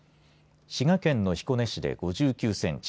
滋賀県の彦根市で５９センチ